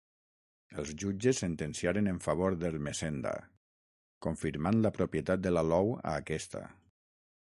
Els jutges sentenciaren en favor d'Ermessenda, confirmant la propietat de l'alou a aquesta.